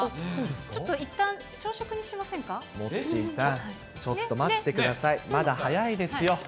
ちょっといったん、朝食にしませモッチーさん、ちょっと待ってください、まだ早いですよ。